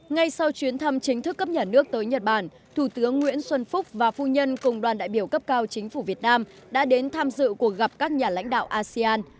ngay sau chuyến thăm chính thức cấp nhà nước tới nhật bản thủ tướng nguyễn xuân phúc và phu nhân cùng đoàn đại biểu cấp cao chính phủ việt nam đã đến tham dự cuộc gặp các nhà lãnh đạo asean